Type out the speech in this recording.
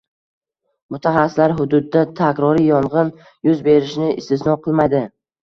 Mutaxassislar hududda takroriy yong‘in yuz berishini istisno qilmaydi